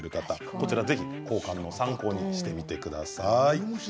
こちらをぜひ交換の参考にしてみてください。